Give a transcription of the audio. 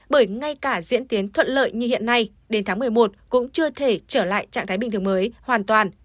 bởi ngay cả diễn tiến thuận lợi như hiện nay đến tháng một mươi một cũng chưa thể trở lại trạng thái bình thường mới hoàn toàn